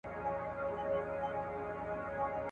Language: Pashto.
انا خپل لاسونه په صابون سره ومینځل.